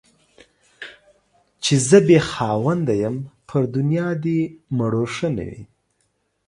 چي زه بې خاونده يم ، پر دنيا دي مړوښه نه وي.